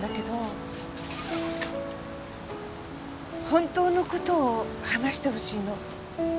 本当の事を話してほしいの。